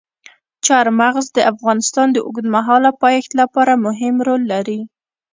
چار مغز د افغانستان د اوږدمهاله پایښت لپاره مهم رول لري.